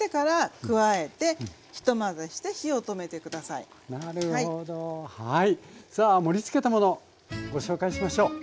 さあ盛りつけたものご紹介しましょう。